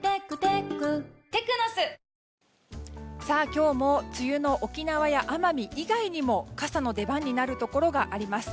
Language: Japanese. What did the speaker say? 今日も梅雨の沖縄や奄美以外にも傘の出番になるところがあります。